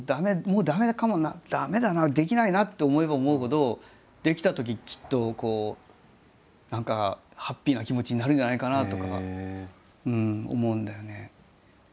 もう駄目かもな駄目だなできないなって思えば思うほどできたとききっとこう何かハッピーな気持ちになるんじゃないかなとか思うんだよね。